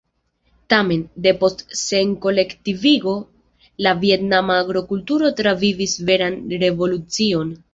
Tamen, depost senkolektivigo, la vjetnama agrokulturo travivis veran revolucion.